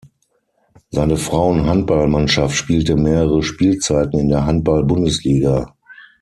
Seine Frauen-Handballmannschaft spielte mehrere Spielzeiten in der Handball-Bundesliga.